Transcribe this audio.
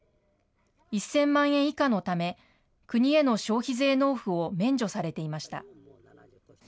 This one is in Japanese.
１０００万円以下のため、国への消費税納付を免除されていました。